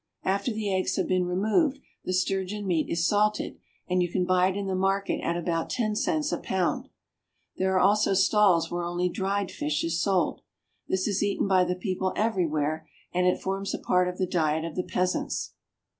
After the eggs have been removed, the sturgeon meat is salted, and you can buy it in the market at about ten cents a pound. There are also stalls where only dried fish is sold. This is eaten by the people everywhere, and it forms a part of the diet of the peasants.